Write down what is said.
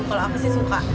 kalau aku sih suka